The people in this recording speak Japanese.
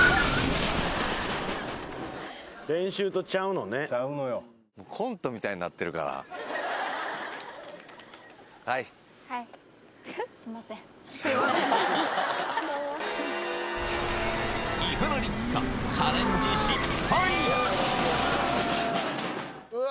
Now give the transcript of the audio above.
もうコントみたいになってるからはいはいうわ